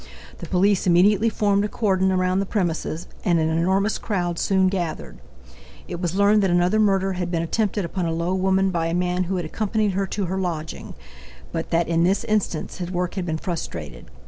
The police immediately formed a cordon around the premises and an enormous crowd soon gathered. It was learned that another murder had been attempted upon a low woman by a man who had accompanied her to her lodging, but that in this instance his work had been frustrated.